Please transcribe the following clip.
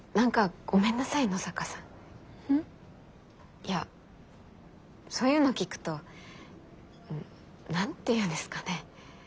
いやそういうの聞くと何て言うんですかね。